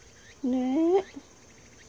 ねえ。